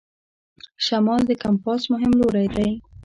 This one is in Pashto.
شمال د کمپاس مهم لوری دی.